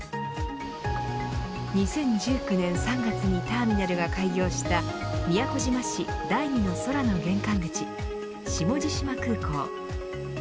２０１９年３月にターミナルが開業した宮古島市第２の空の玄関口下地島空港。